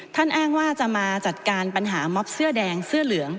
ท่านอ้างว่าจะมาจัดการปัญหาม็อบเสื้อแดงเสื้อเหลือง